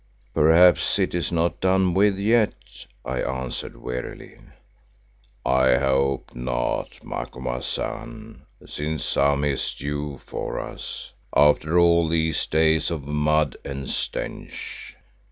"Perhaps it is not done with yet," I answered wearily. "I hope not, Macumazahn, since some is due for us, after all these days of mud and stench.